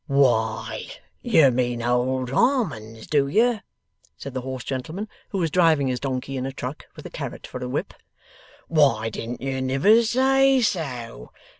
'Why, yer mean Old Harmon's, do yer?' said the hoarse gentleman, who was driving his donkey in a truck, with a carrot for a whip. 'Why didn't yer niver say so?